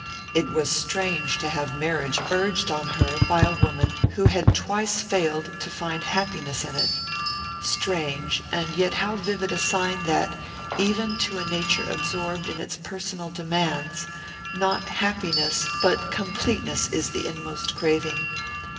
It was strange to have marriage urged on her by a woman who had twice failed to find happiness in it strange, and yet how vivid a sign that, even to a nature absorbed in its personal demands, not happiness but completeness is the inmost craving!